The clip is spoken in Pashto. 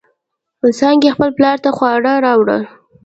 څانگې خپل پلار ته خواړه راوړل.